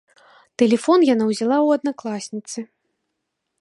Тэлефон яна ўзяла ў аднакласніцы.